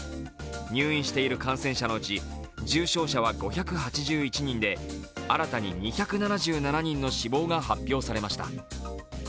入院している感染者のうち重症者は５８１人で新たに２７７人の死亡が発表されました。